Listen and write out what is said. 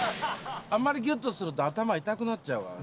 あんまりギュッとすると頭痛くなっちゃうから。